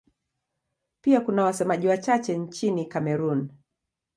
Pia kuna wasemaji wachache nchini Kamerun.